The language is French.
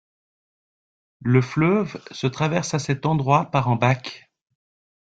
Le fleuve se traverse à cet endroit par un bac.